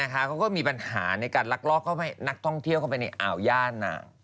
เขาก็มีปัญหาในการลักลอบนักท่องเที่ยวเข้าไปในอ่าวย่านาง